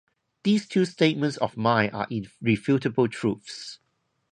These two statements of mine are irrefutable truths.